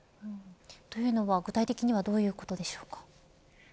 というのは、具体的にはどういうことでしょうか。